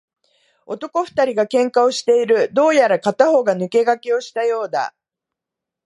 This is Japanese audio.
男二人が喧嘩をしている。どうやら片方が抜け駆けをしたようだ。